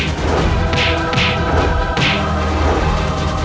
kedai yang menangis